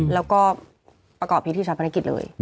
แล้วก็ประกอบพิธีชาปนกิจเลย